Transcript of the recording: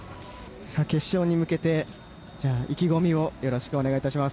決勝に向けて意気込みをよろしくお願い致します。